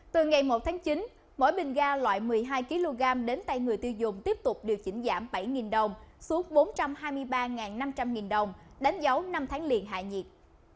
từ ngày một tháng chín mỗi bình ga loại một mươi hai kg đến tay người tiêu dùng tiếp tục điều chỉnh giảm bảy đồng xuống bốn trăm hai mươi ba năm trăm linh đồng đánh dấu năm tháng liền hạ nhiệt